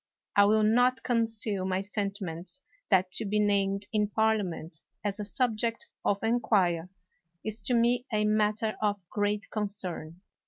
I will not conceal my sentiments that to be named in Parliament as a subject of inquiry is to me a matter of great concern.